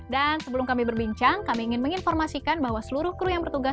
dan sebelum kami berbincang kami ingin menginformasikan bahwa seluruh kru yang bertugas